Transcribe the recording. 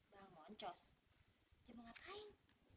bang muncus dia mau ngapain